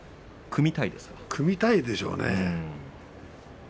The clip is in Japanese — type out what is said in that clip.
組みたいでしょうね。